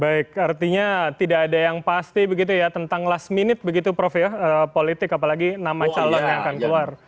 baik artinya tidak ada yang pasti begitu ya tentang last minute begitu prof ya politik apalagi nama calon yang akan keluar